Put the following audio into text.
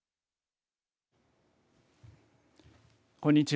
こんにちは。